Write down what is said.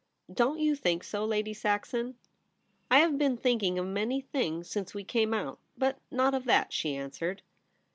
Don't you think so, Lady Saxon ?'' I have been thinking of many things since w^e came out, but not of that,' she answered.